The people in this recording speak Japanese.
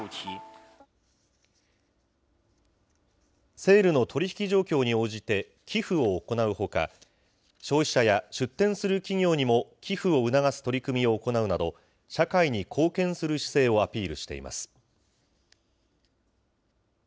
セールの取り引き状況に応じて、寄付を行うほか、消費者や出店する企業にも寄付を促す取り組みを行うなど、社会に貢献する姿勢をアピールしています。